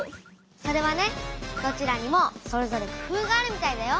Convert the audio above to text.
それはねどちらにもそれぞれ工夫があるみたいだよ。